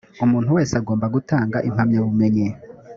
umuntu wese agomba gutanga impamyabumenyi